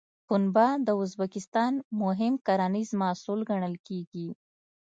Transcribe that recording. پنبه د ازبکستان مهم کرنیز محصول ګڼل کېږي.